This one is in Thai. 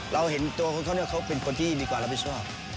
เราเห็นตัวเขาเป็นคนที่มีความรับชอบ